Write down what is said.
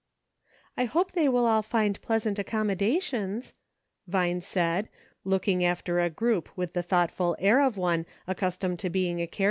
" I hope they will all find pleasant accommoda tions," Vine said, looking after a group with the thoughtful air of one accustomed to being a care 328 " THAT BEATS ME !